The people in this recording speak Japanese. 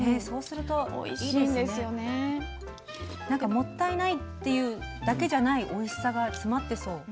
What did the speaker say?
もったいないっていうだけじゃないおいしさが詰まってそう。